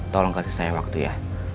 tolong kasih saya waktu ya